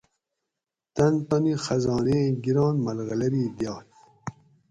تۤن تانی خزان ایں گِران ملغلری دِیاۤگ